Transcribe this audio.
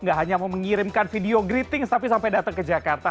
nggak hanya mau mengirimkan video greetings tapi sampai datang ke jakarta